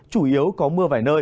chủ yếu có mưa vải nơi